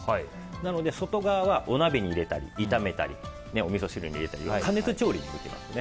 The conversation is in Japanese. なので外側はお鍋に入れたり炒めたりおみそ汁に入れたり加熱調理しますね。